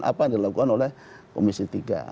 apa yang dilakukan oleh komisi tiga